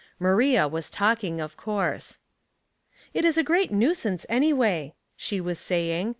Maria was talking, of course. "It is a great nuisance, anyway," she was saying.